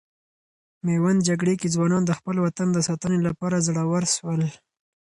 میوند جګړې کې ځوانان د خپل وطن د ساتنې لپاره زړور سول.